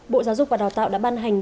bộ giáo dục và đào tạo đã ban hành